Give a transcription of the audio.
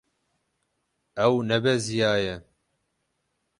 Ew nebeziyaye.